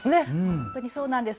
本当にそうなんです。